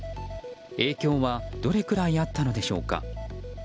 影響はどれくらいあったのでしょうか。